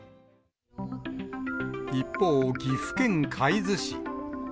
一方、岐阜県海津市。